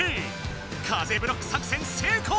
風ブロック作戦成功！